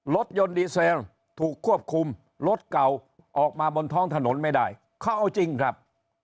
รถยนต์ดีเซลถูกควบคุมรถเก่าออกมาบนท้องถนนไม่ได้เขาเอาจริงครับ